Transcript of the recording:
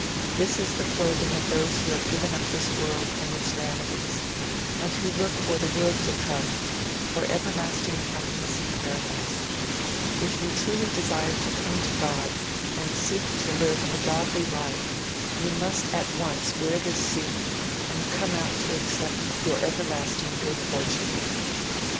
This is the clothing of those who have given up this world and its vanities, and who look for the world to come, for everlasting happiness in Paradise. If you truly desire to come to God and seek to live a godly life, you must at once wear this suit, and come out to accept your everlasting good fortune.'